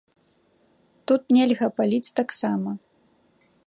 Тут нельга паліць таксама.